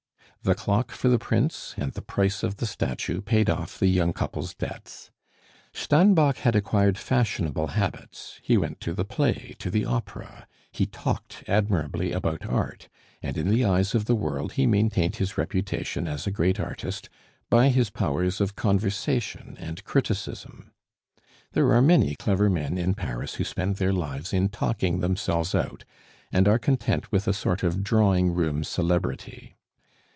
The clock for the Prince and the price of the statue paid off the young couple's debts. Steinbock had acquired fashionable habits; he went to the play, to the opera; he talked admirably about art; and in the eyes of the world he maintained his reputation as a great artist by his powers of conversation and criticism. There are many clever men in Paris who spend their lives in talking themselves out, and are content with a sort of drawing room celebrity.